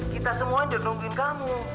kita semua aja nungguin kamu